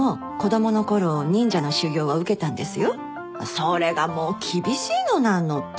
それがもう厳しいの何のって。